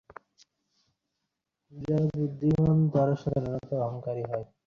Charlotte Paloma আর আমার খুব খারাপ লেগেছে তোমার মায়ের মৃত্যুর খবর শুনে।